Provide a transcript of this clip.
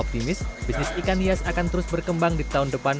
optimis bisnis ikan hias akan terus berkembang di tahun depan